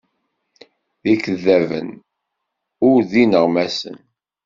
D ikeddaben, ur d ineɣmasen.